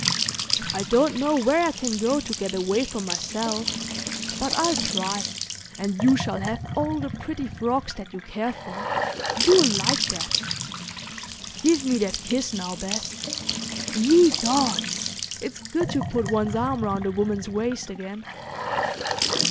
"I don't know where I can go to get away from myself, but I'll try, and you shall have all the pretty frocks that you care for. You'll like that. Give me that kiss now, Bess. Ye gods! it's good to put one's arm round a woman's waist again."